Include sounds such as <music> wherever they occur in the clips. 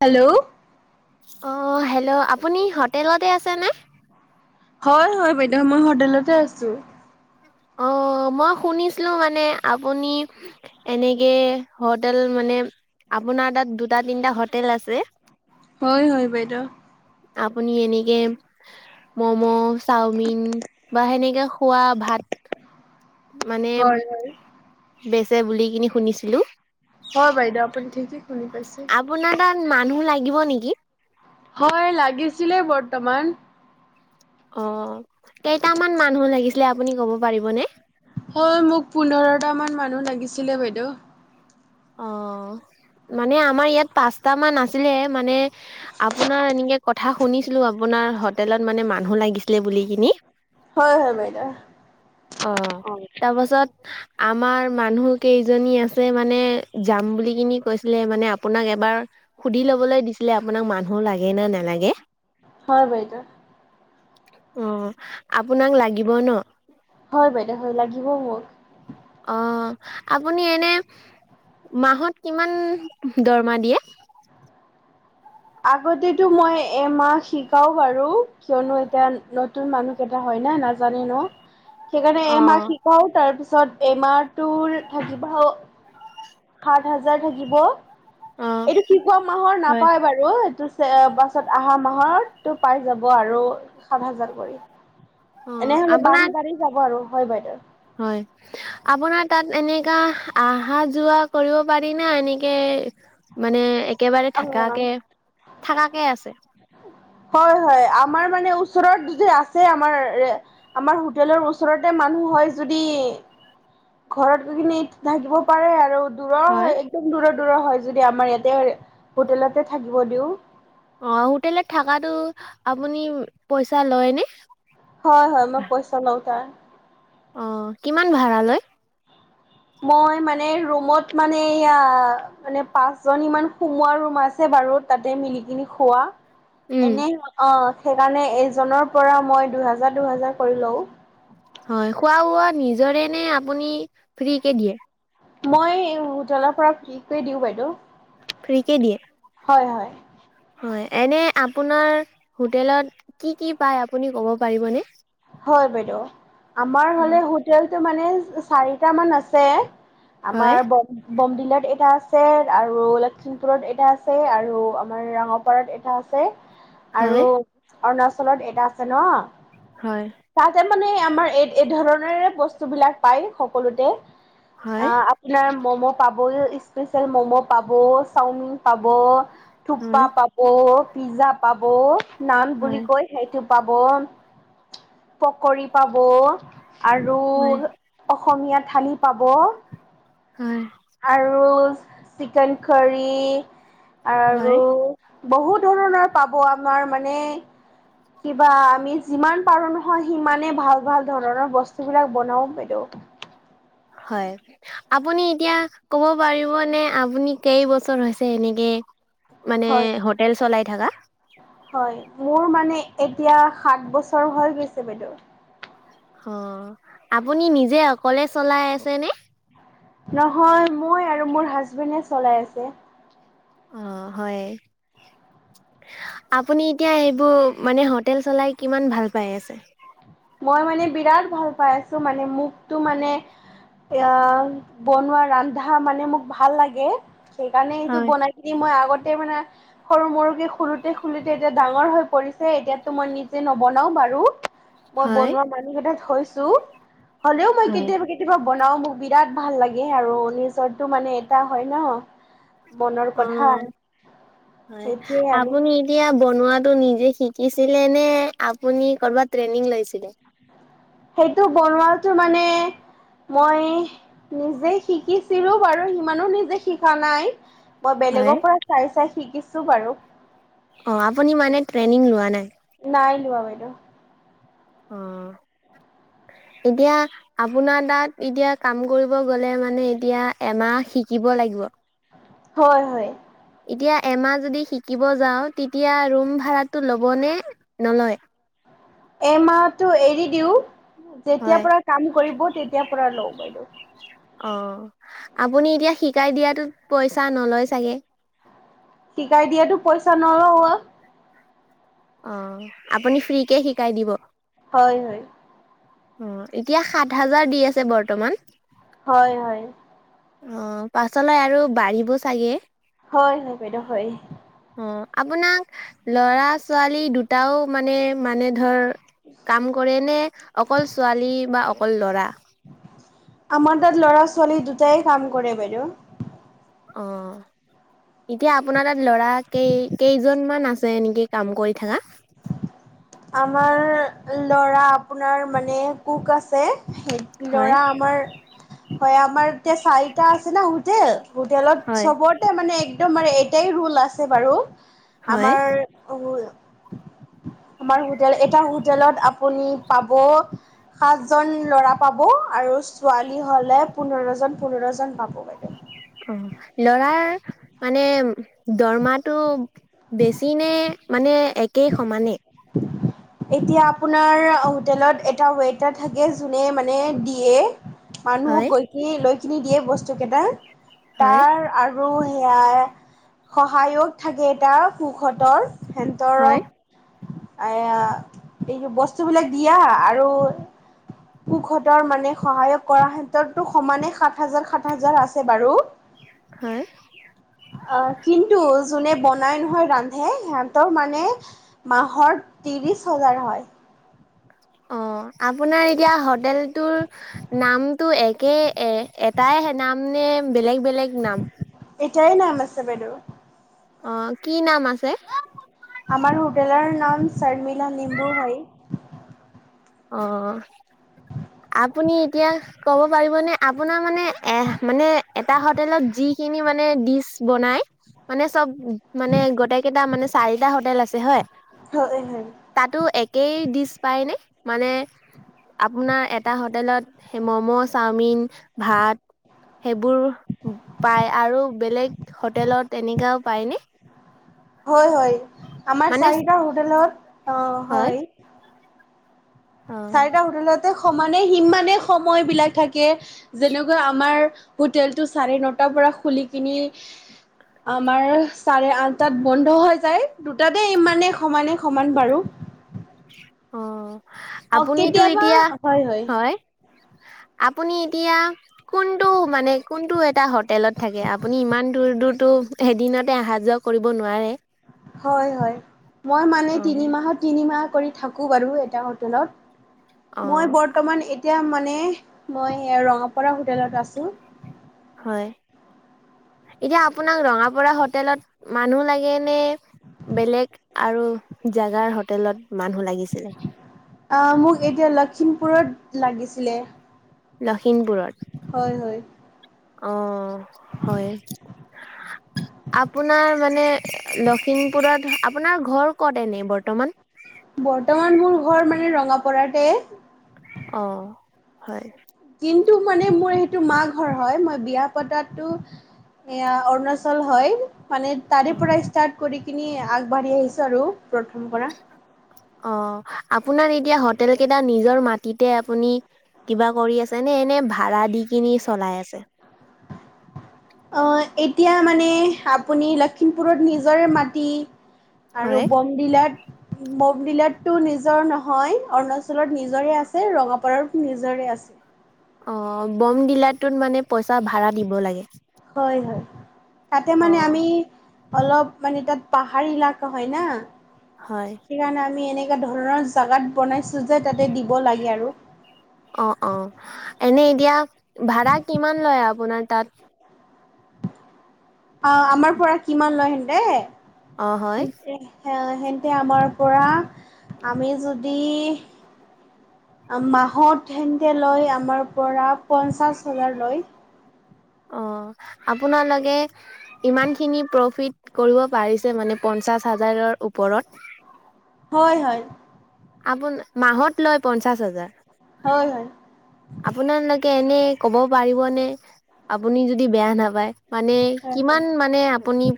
Hello অ hello আপুনি হোটেলতে আছেনে হয় হয় বাইদেউ মই হোটেলতে আছো অ মই শুনিছিলো মানে আপুনি এনেকে হোটেল মানে আপোনাৰ তাত দুটা তিনিটা হোটেল আছে হয় হয় বাইদেউ আপুনি এনেকে মম' চাওমিন বা সেনেকে খোৱা ভাত মানে হয় হয় বেচে বুলি কিনি শুনিছিলো হয় বাইদেউ আপুনি ঠিকেই শুনি পাইছে। আপোনাৰ তাত মানুহ লাগিব নেকি হয় লাগিছিলে বৰ্তমান অ কেইটামান মানুহ লাগিছিলে আপুনি ক'ব পাৰিবনে? হয় মোক পোন্ধৰট মান মানুহ লাগিছিলে বাইদেউ অ, 'মানে আমাৰ ইয়াত পাঁচটা মান আছিলে মানে আপোনাৰ এনেকে কথা শুনিছিলো আপোনাৰ হোটেলত মানে মানুহ লাগিছিলে বুলি কিনি <inaudible> হয় হয় বাইদেউ। অ' তাৰপাছত আমাৰ মানুহ কেইজনী আছে মানে যাম বুলি কিনি কৈছিলে মানে আপোনাক এবাৰ সুধি লবলৈ দিছিলে আপোনাক মানুহো লাগে নে নালাগে। হয় বাইদেউ। অ' আপোনাক লাগিব ন? হয়, বাইদেউ হয়, লাগিব মোক। অ' আপুনি এনে মাহত কিমান দৰমহা দিয়ে? আগতেতো মই এমাহ শিকাও বাৰু, কিয়নো এতিয়া নতুন মানুহ কেইটা হয় নাই ন নাজানে ন সেইকাৰণে অ এমাহ শিকাও তাৰ পিছত এমাহ তোৰ থাকিবা সাত হাজাৰ থাকিব। অ এইটো শিকোৱা মাহৰ হয় নাপায় বাৰু এইটো পাছত আহা মাহৰ টো পাই যাব আৰু সাত হাজাৰ কৰি। অ এনে হ'লে আপোনাক বাঢ়ি বাঢ়ি যাব আৰু হয় বাইদেউ। হয়, আপোনাৰ তাত এনেকা অহা-যোৱা কৰিব পাৰি না এনেকে মানে একেবাৰে অ থাকাকে থাকাকে আছে হয়, হয় আমাৰ মানে ওচৰত যদি আছে আমাৰ আমাৰ হোটেলৰ ওচৰতে ম মানুহ হয় যদি ঘৰত গৈ কিনে থাকিব পাৰে আৰু দূৰৰ হয় একদম দূৰত। <unintelligible> হয় যদি আমাৰ ইয়াতে হোটেলতে থাকিব দিওঁ। অ হোটেলত থকাতো আপুনি পইচা লয় নে? হয় হয় মই পইচা লওঁ। অ কিমান ভাৰা লয়? মই মানে ৰুমত মানে এয়া মানে পাঁচ জনী মান সোমোৱা ৰুম আছে। বাৰু তাতে মিলিকিনি খোৱা উম এনে অ। সেইকাৰণে এজনৰ পৰা মই দুহেজাৰ দুহেজাৰ কৰি লওঁ। হয় খোৱা-বোৱা নিজৰে নে আপুনি ফ্ৰীকে দিয়ে? মই হোটেলৰ পৰা ফ্ৰী কৰি দিওঁ বাইদেউ। ফ্ৰীকে দিয়ে? হয় হয়। হয় এনে আপোনাৰ হোটেলত কি কি পায় আপুনি ক'ব পাৰিবনে? হয় বাইদেউ আমাৰ হ'লে হয় হোটেলটো মানে চাৰিটামান আছে। হয় আমাৰ ব। বমডিলাত এটা আছে আৰু লখিমপুৰত এটা আছে আৰু আমাৰ ৰাঙাপাৰাত এটা আছে। হয় আৰু অৰুণাচলত এটা আছে নহ। হয়। মানে আমাৰ এই এই ধৰণৰে বস্তুবিলাক পায় সকলোতে। অ হয় আপোনাৰ ম'ম'। পাবই, স্পেচিয়েল ম'ম' পাব, চাওমিন পাব, থূপকা হয় পাব। পিজ্জা পাব নান বুলি হয় কৈ সেইটো পাব। পকৰি পাব আৰু। অসমীয়া থালি পাব হয় আৰু। চিকেনকাৰী আৰু। হয় বহুত ধৰণৰ পাব আমাৰ মানে। কিবা আমি যিমান পাৰোঁ নহয় সিমানে ভাল ভাল ধৰণৰ বস্তুবিলাক বনাওঁ বাইদেউ।। <inaudible> হয় আপুনি এতিয়া কব পাৰিবনে আপুনি কেই বছৰ হৈছে এনেকে। মানে হয় হোটেল চলাই থাকা। হয়, মোৰ মানে, এতিয়া সাত বছৰ হৈ গৈছে বাইদেউ। অ', আপুনি নিজে অকলে চলাই আছে নে?। নহয়, মই আৰু মোৰ হাজবেণ্ডে চলাই আছে। অ', হয়। আপুনি এতিয়া এইবোৰ, মানে হোটেল চলাই কিমান ভাল পাই আছে?। মই মানে, বিৰাট ভাল পাই আছো মানে, মোকতো মানে এ বনোৱা, ৰান্ধা মানে মোক ভাল লাগে। সেইকাৰণে এইটো হয়, বনাই কিনি মই আগত য়া মানে, সৰু-সৰুকে খোলোতে-খোলোতে এতিয়া ডাঙৰ হৈ পৰিছে। এতিয়াতো মই নিজে নবনাও ও, মই হয়। বনুৱা মানুহ কেইটা থৈছো, হলেও মই হয়। কেতিয়াবা, কেতিয়াবা বনাও, মোক বিৰাট ভাল লাগে আৰু নিজৰো মানে এটা হয় ন'। মনৰ অ', কথা হয়, সেইটোৱে আৰু আপুনি এতিয়া বনোৱাত নিজে শিকিছিলে নে, আপুনি কৰবাত ট্ৰেইনিং লৈছিলে?। সেইটো বনোৱাটো মানে মই, নিজে শিকিছিলো বাৰু ইমানো নিজে শিকা নাই। মই, হয়। বেলেগৰ পৰা চাই চাই শিকিছো বাৰু। অ', আপুনি মানে ট্ৰেইনিং লোৱা নাই? নাই লোৱা বাইদেউ। অ'। এতিয়া, আপোনাৰ তাত এতিয়া কাম কৰিব গ'লে মানে, এতিয়া এমাহ শিকিব লাগিব। হয়-হয়। এতিয়া এমাহ যদি শিকিব যাও, তেতিয়া ৰুম ভাড়াটো ল'বনে, নলয়? <inaudible> এমাহটো এৰি দিও, হয় যেতিয়াৰ পৰা কাম কৰিব তেতিয়াৰ পৰা লও বাইদেউ। অ', আপুনি এতিয়া শিকাই দিয়াতোত পইচা নলয় চাগে? শিকাই দিয়াতো পইচা নলও। অ', আপুনি ফ্ৰীকে শিকাই দিব। হয়-হয়। অ', এতিয়া সাত হাজাৰ দি আছে বৰ্তমান। হয়-হয়। অ', পাছলৈ আৰু বাঢ়িব চাগে। হয়-হয়, বাইদেউ হয়। অ', আপোনাক, লৰা ছোৱালী দুটাও মানে-মানে ধৰ কাম কৰে নে, অকল ছোৱালী বা অকল লৰা?। আমাৰ তাত লৰা ছোৱালী দুটাই কাম কৰে বাইদেউ। অ। এতিয়া আপোনাৰ তাত ল'ৰা, কেই-কেইজনমান আছে এনেকে কাম কৰি থকা?। আমাৰ ল'ৰা আপোনাৰ, মানে কোক আছে হয় ল'ৰা আমাৰ হয়, আমাৰ এতিয়া চাৰিটা আছে ন' হোটেল। হোটেলত, হয় চবতে মানে একদম আৰু এটাই ৰোল আছে বাৰু। হয় আমাৰ, উম। <inaudible> আমাৰ হোটেল, এটা হোটেলত আপুনি পাব সাত জন ল'ৰা পাব, আৰু ছোৱালী হলে পোন্ধৰ জন, পোন্ধৰ জন পাব বাইদেউ। অ', লৰা মানে দৰমাটো, বেছি নে মানে, একেই সমানে?। এতিয়া আপুনাৰ, হোটেলত এটা ৱেটাৰ থাকে যুনে মানে, দিয়ে মানুহক হয় গৈ কিনি, লৈকিনি দিয়ে বস্তু কেইটা। হয় তাৰ আৰু আৰু সেয়া, সহায়ক থাকে এটা কুকহতৰ। হয় সেন্তৰক, আয়া। এইয বস্তু বিলাক দিয়া আৰু সুখতৰ মানে সহায়ক কৰাৰ ক্ষেত্ৰতো সমানে সাত হাজাৰ সাত হাজাৰ আছে বাৰু হা অ কিন্তু যোনে বনাই নহয় ৰান্ধে সিহতৰ মানে মাহৰ ত্ৰিশ চলাৰ হয় অ আপোনাৰ এতিয়া হোটেলটোৰ নামটো একে এ এটাই ে নাম নে বেলেগ বেলেগ নাম এটাই নাম আছে বাইদেউ অ কি নাম আছে আমাৰ হোটেলৰ নাম শৰ্মিলা লিম্বু হয় অ আপুনি এতিয়া ক'ব পাৰিবনেে আপোনাৰ মানে এ মানে এটা হোটেলত যি খিনি মানে দি বনাই মানে চব মানে গোটেই কেইটা মানে চাৰিটা হোটেল আছে হয় হয় হয় তাতো একেই ডিছ পাই নে আপোনাৰ এটা হোটেলত ম'ম' চাওমিন ভাত সেইবোৰ পায় আৰু বেলেগ হোটেলত এনেককাাও পায়নে হয় হয় আমাৰ মানে চাৰিটা হোটেলত অ হয় অ চাৰিটা হোটেলতে সমানে সিমানে সময় বিলাক থাকে যেনেকৈ আমাৰ হোটেল টো চাৰে নটাৰ পৰা খুলি কিনি আমাৰ চাৰে আঠটাত বন্ধ হৈ যায় দুটাতে ইমানে সমানে সমান বাৰু অ আপুনিতো এতিয়া হয় আপুনি এতিয়া কোনটো মানে কোনটো এটা হোটেলত থাকে আপুনি ইমান দূৰ দূৰটোো এেইদিনতে অহা যোৱা কৰিব নোৱাৰে হয় হয় মই মানে তিনি মাহত তিনিমাহ কৰি থাকো বাৰু এটা হোটেলত মই অ', বৰ্তমান এ এতিয়া মানে মই ৰঙাপাৰা হোটেলত আছোঁ হয় এতিয়া আপোনাক ৰঙাপা হোটেলত মানুহ লাগে নে বেলেগ আৰু জাগাৰ হোটেলত মানুহ লাগিছিলে মোক এতিয়া লখিমপুৰত লাগিছিলে লখিমপুৰত হয় হয় অ হয় আপোনাৰ মানে লখিমপুৰত আপোনাৰ ঘৰ ক'ত এনে বৰ্তমান বৰ্তমান মোৰ ঘৰ মানে ৰঙাপাতে অ হয় কিন্তু মানে মোৰ সেইটো মা ঘৰ হয় মই বিয়া পতাতো এয়া অৰুণাচল হয় মানে তাৰে পৰা ষ্টাৰ্ট কৰি কিনি আগবাঢ়ি আহিছো আৰু প্ৰথম পৰা অ আপোনাৰ এতিয়া হোটেল কেইটা নিজৰ মাটিতে আপুনি কিবা কৰি আছে নে তেনে ভাড়া দি কিনি চলাই আছে আহ এতিয়া মানে আপুনি লখিমপুৰত নিজৰে মাটি আৰু হয়। বমডিলাত বমডিলাত নিজৰ নহয় অৰুণাচলত নিজৰে আছে ৰঙাপাৰাত নিজৰে আছে অ বমডিলাৰটোত মানে পইচা ভাড়া দিব লাগে হয় হয় তাতে অ মানে আমি অলপ মানে তাত পাহাৰ এলকা হয় না হয়। সেইকাৰণে আমি এনে নে ধৰণৰ জাগাত বনাইছোঁ যে তাতে দিব লাগে আৰু অ অ এনে এতিয়া ভাড়া কিমান লয় আপোনাৰ তাত আহ আমাৰ পৰা কিমান লয় হেন দে অঁ হয় তেন্ততে আমাৰ পৰা আমি যদি মাহত তেক লৈ আমাৰ পৰা পঞ্চাছ হাজাৰ লয় অ আপোনালোকে ইমান খিনি প্ৰফিট কৰিব পাৰে মানে পঞ্চাছ হাজাৰ ওপৰত হয় হয় আপোন মাহত লয় পঞ্চাশ হাজাৰ হয় হয় আপোনালোকে এনে ক'ব পাৰিবনে আপুনি যদি বেয়া নাপায় মানে হয় হয় কিমান মানে আপুনি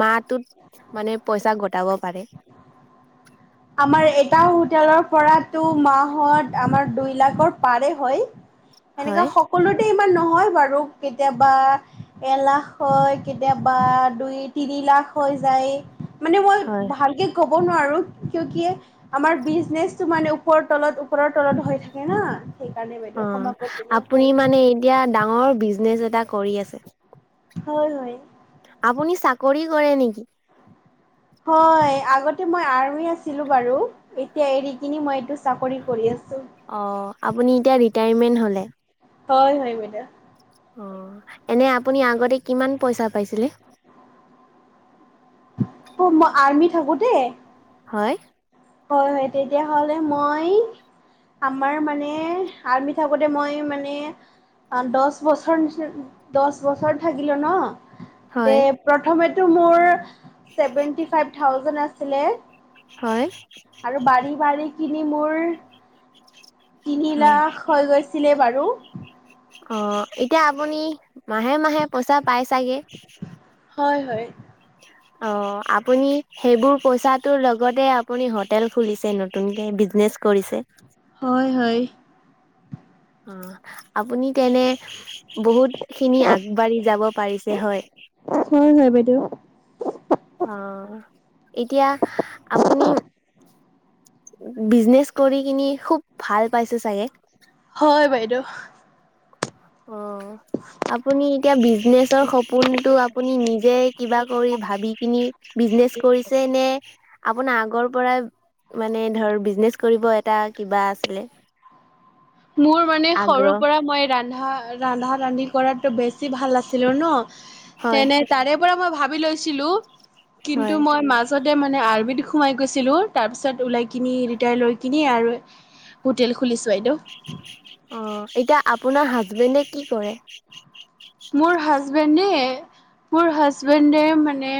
মাহটোত মানে পইচা গটাব পাৰে আমাৰ এটাও তেলৰ পৰাটো মাহত আমাৰ দুই লাখৰ পাৰে হয় সেনেকুৱা হয়। সকলোতে ইমান নহয় বাৰু কেতিয়াবা এ লাখ হয় কেতিয়াবা দুই তিনি লাখ হৈ যায় মানে মই হয়। ভালকে ক কব নোৱাৰো ক কিয় আমাৰ বিজনেচটো মানে ওপৰৰ তলত ওপৰৰ তলত হৈ থাকে না সেইকাৰণে অ বাইদেউ ক্ষমা কৰি দিব আপুনি হয় মানে এতিয়া ডাঙৰ বিজনেচ এটা কৰি আছে হয় হয় আপুনি চাকৰি কৰে নেকি হয় আগতে মই আৰমি আছিলো বাৰু এতিয়া এ মই এইটো চাকৰি কৰি আছো অ', আপুনি এতিয়া ৰিটায়াৰমেন্ট হ'লে। হয় হয় বাইদয়া অ এনে আপুনি আগতে কিমান পইচা পাইছিলে মই আৰ্মি থাকো তে হয় হয় হয় তেতিয়াহলে মই আমাৰ মানে আৰমি থাকোতে মই মানে অ দহ বছৰ নিচিনা দহ বছৰ থাকিলো ন হয়, প্ৰথমটো মোৰ সেভেন্তি ফাইভ থাউজেণ্ড আছিলে হয়। আৰু বাৰী, বাৰী কিনি মোৰ তিনি হয়। লাখ হৈ গৈছিলে বাৰু অ', এতিয়া আপুনি মাহে মাহে পইচা পাই চাগে হয়, হয় অ', আপুনি সেইবোৰ পইচা তৰ লগতে আপুনি হোটেল খুলিছে নতুনকে বিজনে কৰিছে হয়, হয় অ', আপুনি তেনে বহুতখিনি আগবাঢ়ি যাব পাৰিছে হয় হয় হয় বাইদেউ আহ, এতিয়া আপুনি বিজনেচ কৰি কিনি খুব ভাল পাইছে চাগে হয়, বাইদেউ অ', আপুনি এতিয়া বিজনেচ ৰ সপোনতটো আপুনি নিজে কিবা কৰি ভাবি কিিনি বিজনেচ কৰিছে নে আপোনাৰ আগৰ পৰাই মানে ধৰ বিজনেচ কৰিব এটা কিবা আছিলে মোৰ মানে সৰু আগ্ৰহ পৰা মই ৰন্ধা, ৰান্ধা ৰান্ধি কৰাো বেছি ভাল নাছিলো ন হয় তেনে তাৰে পৰা মই ভাবি লৈছিলো হয় কিন্তু মই মাজতে মানে আৰবি সোমাই গৈছিলো তাৰ পিছত ওলাই কিনি ৰিটায়াৰ লৈ কিিনি আৰু হোটেল খুলিছো এ অ', এতিয়া আপোনাৰ হাজবেণ্ডে কি কৰে মোৰ হাজবেণ্ডে মোৰ হাজবেণ্ডে মানে